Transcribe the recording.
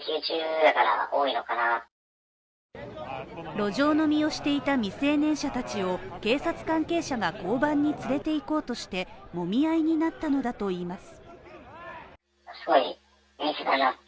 路上飲みをしていた未成年者たちを警察関係者が交番に連れて行こうとしてもみ合いになったのだといいます